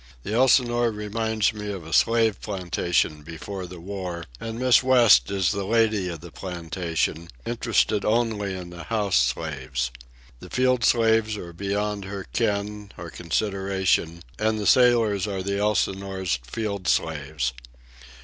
The Elsinore reminds me of a slave plantation before the war; and Miss West is the lady of the plantation, interested only in the house slaves. The field slaves are beyond her ken or consideration, and the sailors are the Elsinore's field slaves.